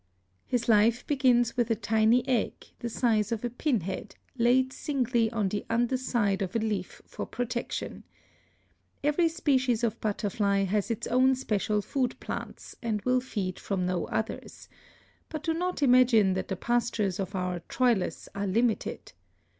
His life begins with a tiny egg, the size of a pin head, laid singly on the under side of a leaf for protection. Every species of butterfly has its own special food plants, and will feed from no others; but do not imagine that the pastures of our Troilus are limited.